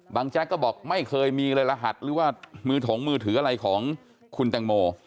แจ๊กก็บอกไม่เคยมีเลยรหัสหรือว่ามือถงมือถืออะไรของคุณแตงโม